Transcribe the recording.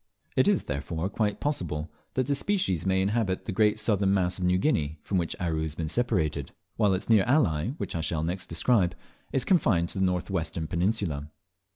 It is therefore quite possible that this species may inhabit the great southern mass of New Guinea, from which Aru has been separated; while its near ally, which I shall next describe, is confined to the north western peninsula.